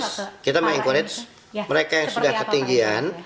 yes kita meng incorate mereka yang sudah ketinggian